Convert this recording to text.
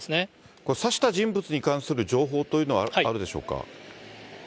これ、刺した人物に関する情報というのはあるでしょうか。